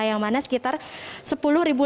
yang mana sekitar sebelas peserta